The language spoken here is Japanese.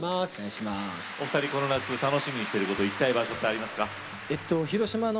この夏、楽しみにしていること行きたい場所は、ありますか。